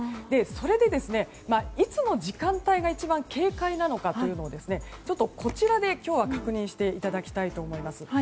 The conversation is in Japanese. それで、いつの時間帯が一番警戒なのかというのをこちらで今日は確認していただきたいと思います。